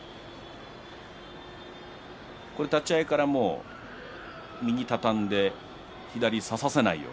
立ち合いから右畳んで左差させないように。